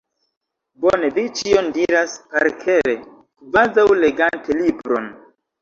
Bone vi ĉion diras parkere, kvazaŭ legante libron!